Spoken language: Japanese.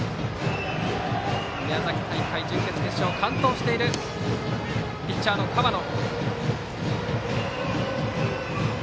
宮崎大会準決勝、決勝と完投しているピッチャーの河野。